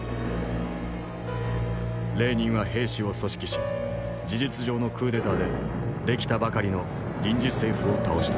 レーニンは兵士を組織し事実上のクーデターで出来たばかりの臨時政府を倒した。